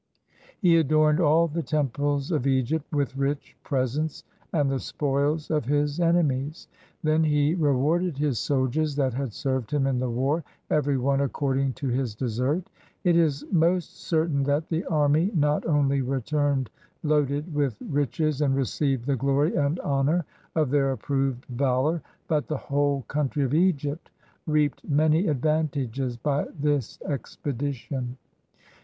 He adorned all the temples of Egypt with rich presents and the spoils of his enemies. Then he rewarded his sol diers that had served him in the war, every one accord ing to his desert. It is most certain that the army not only returned loaded with riches and received the glory and honor of their approved valor, but the whole coun try of Egypt reaped many advantages by this expedition.